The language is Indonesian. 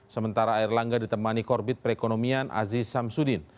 sementara air langga ditemani korbit perekonomian aziz samsudin